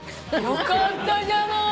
よかったじゃない。